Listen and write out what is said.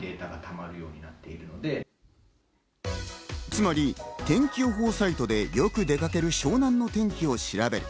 つまり天気予報サイトで、よく出かける湘南の天気を調べる。